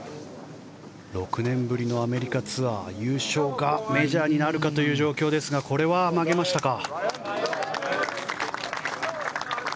６年ぶりのアメリカツアー優勝がメジャーになるかという状況ですがこれは曲げましたか。